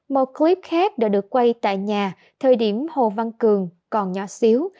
một clip khác đã được quay tại nhà thời điểm hồ văn cường còn nhỏ xíu